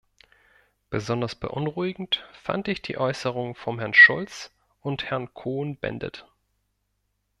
Besonders beunruhigend fand ich die Äußerungen von Herrn Schulz und Herrn Cohn-Bendit.